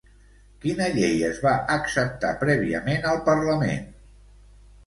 Quina llei es va acceptar prèviament al Parlament?